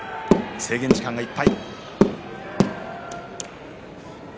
制限時間いっぱい。